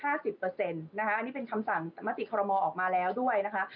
อันนี้เป็นคำสั่งมติคอรมอออกมาแล้วด้วยนะคะ